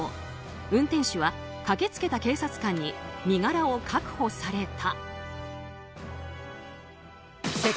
運転手は駆けつけた警察官に身柄を確保された。